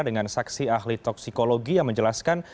dengan saksi ahli toksikologi yang menjelaskan